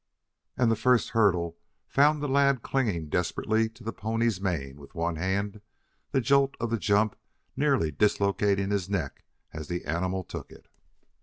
And the first hurdle found the lad clinging desperately to the pony's mane with one hand, the jolt of the jump nearly dislocating his neck as the animal took it.